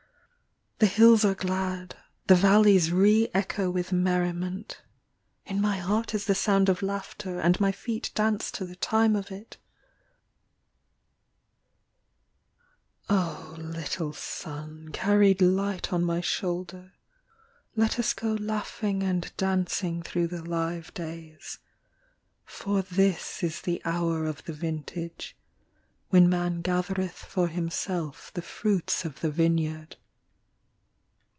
The hills are glad, The valleys re echo with merriment, In my heart is the sound of laughter, And my feet dance to the time of it; Oh, little son, carried light on my shoulder, Let us go laughing and dancing through the live days, For this is the hour of the vintage, When man gathereth for himself the fruits of the vineyard.